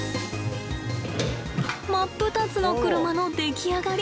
真っ二つの車の出来上がり。